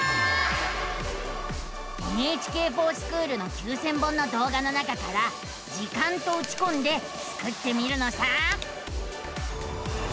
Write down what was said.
「ＮＨＫｆｏｒＳｃｈｏｏｌ」の９，０００本のどう画の中から「時間」とうちこんでスクってみるのさ！